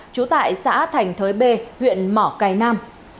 trú tại xã thành thới b huyện mỏ cây nam